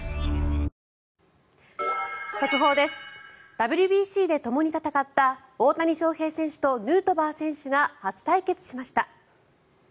ＷＢＣでともに戦った大谷翔平選手とヌートバー選手が初対決しました。